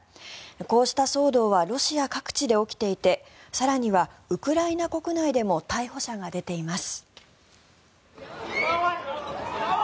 こうした騒動はロシア各地で起きていて更にはウクライナ国内でも逮捕者が出ています。